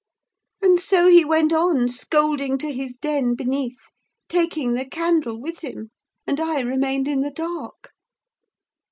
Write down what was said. And so he went on scolding to his den beneath, taking the candle with him; and I remained in the dark.